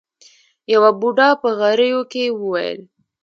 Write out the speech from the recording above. يوه بوډا په غريو کې وويل.